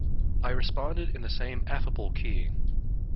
I responded in the same affable key.